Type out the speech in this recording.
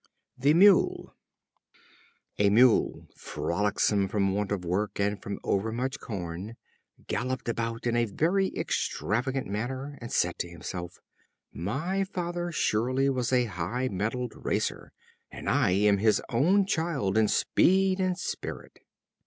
The Mule. A Mule, frolicsome from want of work and from overmuch corn, galloped about in a very extravagant manner, and said to himself: "My father surely was a high mettled racer, and I am his own child in speed and spirit."